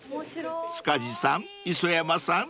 ［塚地さん磯山さん